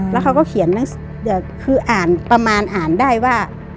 แล้วเขาก็เขียนคือประมาณอ่านได้ว่า